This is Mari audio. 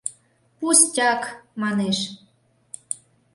— Пустяк, манеш.